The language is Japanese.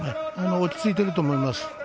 落ち着いてると思います。